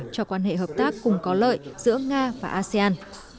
cho quan hệ hợp tác cùng có lợi giữa nga và asean